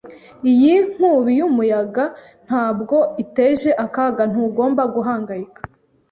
Iyi nkubi y'umuyaga ntabwo iteje akaga. Ntugomba guhangayika.